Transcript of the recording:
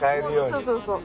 そうそうそう。